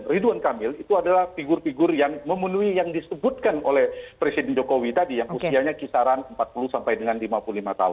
ridwan kamil itu adalah figur figur yang memenuhi yang disebutkan oleh presiden jokowi tadi yang usianya kisaran empat puluh sampai dengan lima puluh lima tahun